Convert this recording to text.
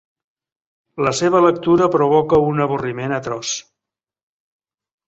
La seva lectura provoca un avorriment atroç.